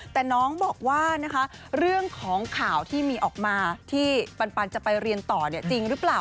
แต่น้องบอกว่านะคะเรื่องของข่าวที่มีออกมาที่ปันจะไปเรียนต่อจริงหรือเปล่า